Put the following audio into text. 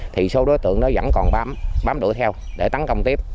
thì số đối tượng đó vẫn còn bám đuổi theo để tấn công tiếp